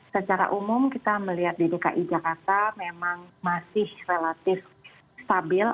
secara umum kita melihat di dki jakarta memang masih relatif stabil